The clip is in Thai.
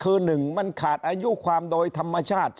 คือ๑มันขาดอายุความโดยธรรมชาติ